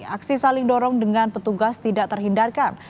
aksi saling dorong dengan petugas tidak terhindarkan